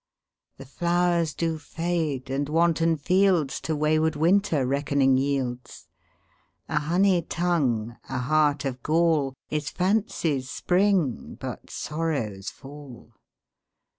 The flowers do fade, and wanton fieldsTo wayward Winter reckoning yields:A honey tongue, a heart of gall, Is fancy's spring, but sorrow's fall.